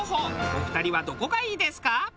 お二人はどこがいいですか？